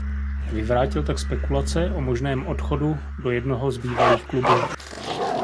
Vyvrátil tak spekulace o možném odchodu do jednoho z bývalých klubů.